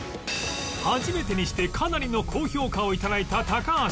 初めてにしてかなりの高評価を頂いた高橋